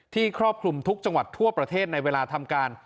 ครอบคลุมทุกจังหวัดทั่วประเทศในเวลาทำการ